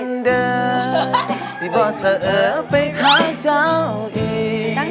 กันเดิมที่บอกเสือไปเท้าเจ้าอีก